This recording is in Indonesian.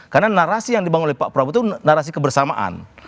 karena narasi yang dibangun oleh pak prabowo itu narasi kebersamaan